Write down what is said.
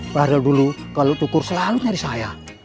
baru dulu kalau tukur selalu nyari saya